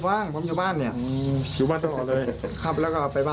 เรายอมให้ตรวจไหมครับ